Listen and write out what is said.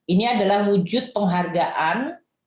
ini adalah wujud penghargaan